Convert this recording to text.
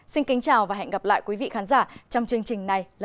xin kính chào và hẹn gặp lại quý vị khán giả trong chương trình này lần sau